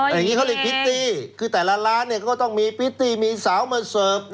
อย่างนี้เขาเรียกพิตตี้คือแต่ละร้านก็ต้องมีพริตตี้มีสาวมาเสิร์ฟ